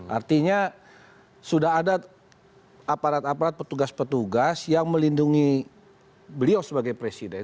artinya sudah ada aparat aparat petugas petugas yang melindungi beliau sebagai presiden